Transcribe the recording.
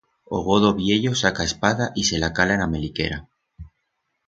O godo viello saca a espada y se la cala en a meliquera.